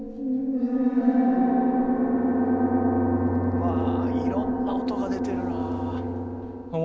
わあいろんな音が出てるな。